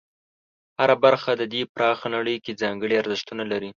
هره برخه د دې پراخه نړۍ کې ځانګړي ارزښتونه لري.